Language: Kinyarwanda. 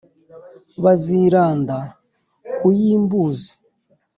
baziranda ku y’imbuzi